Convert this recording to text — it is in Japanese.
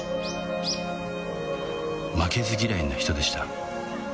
負けず嫌いな人でした